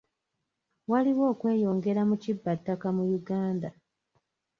Waliwo okweyongera mu kibba ttaka mu Uganda.